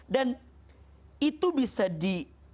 dan itu bisa di